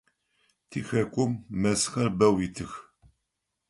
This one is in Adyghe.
Тихэкум мэзхэр бэу итых.